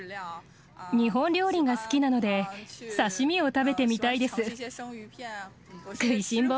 日本料理が好きなので、刺身を食べてみたいです。